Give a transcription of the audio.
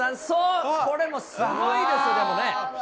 そう、これもすごいですよね。